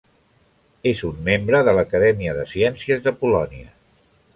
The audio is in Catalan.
És un membre de l'Acadèmia de Ciències de Polònia.